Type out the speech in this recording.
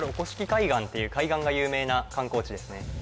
海岸っていう海岸が有名な観光地ですね